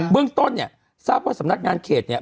เรื่องต้นเนี่ยทราบว่าสำนักงานเขตเนี่ย